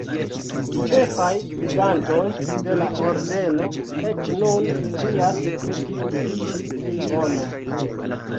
Ĉefaj gvidantoj de la Ordeno eĉ nun scias pri tiu ĉi fono.